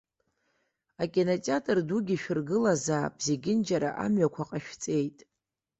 Акинотеатр дугьы шәыргылазаап, зегьынџьара амҩақәа ҟашәҵеит.